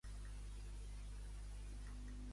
Què ha tingut lloc, alhora que aquesta celebració?